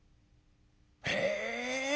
「へえ。